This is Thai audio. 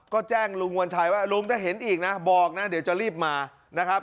ก็แจ้งลุงวัญชัยว่าลุงถ้าเห็นอีกนะบอกนะเดี๋ยวจะรีบมานะครับ